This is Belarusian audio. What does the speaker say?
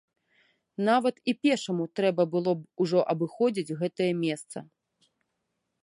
Нават і пешаму трэба было б ужо абыходзіць гэтае месца.